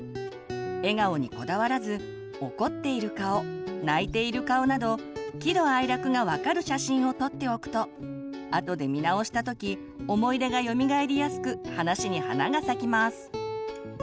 笑顔にこだわらず怒っている顔泣いている顔など喜怒哀楽が分かる写真を撮っておくとあとで見直した時思い出がよみがえりやすく話に花が咲きます。